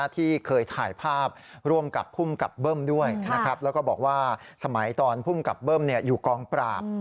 ที่เคยถ่ายภาพร่วมกับภูมิกับเบิ้มด้วยแล้วก็บอกว่าสมัยตอนภูมิกับเบิ้มอยู่กองปราบ